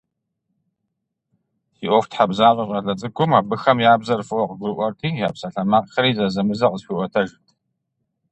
Си ӀуэхутхьэбзащӀэ щӀалэ цӀыкӀум абыхэм я бзэр фӀыуэ къыгурыӀуэрти, я псалъэмакъхэри зэзэмызэ къысхуиӀуэтэжырт.